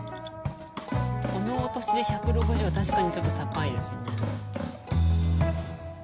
このお年で１６０は確かにちょっと高いですね。